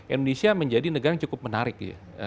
indonesia menjadi negara yang cukup menarik ya